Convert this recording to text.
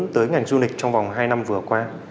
tới ngành du lịch trong vòng hai năm vừa qua